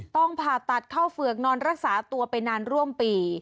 ต้องผ่าตัดเข้าเฝือกนอนรักษาตัวไปนานร่วมปี